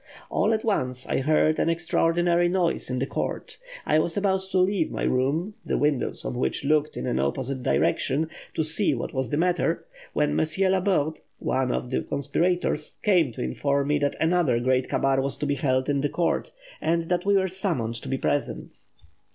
All at once I heard an extraordinary noise in the court. I was about to leave my room, the windows of which looked in an opposite direction, to see what was the matter, when Mons. Laborde, one of the conspirators, came to inform me that another great kabar was to be held in the court, and that we were summoned to be present.